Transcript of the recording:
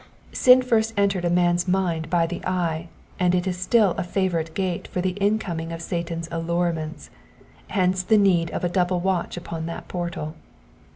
Sin first entered man's mind by the eye, and it is still a favourite gate for the incoming of Satan's allurements : hence the need of a double watch upon that portal.